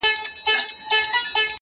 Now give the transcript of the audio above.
مینه چي مو وڅاڅي له ټولو اندامو;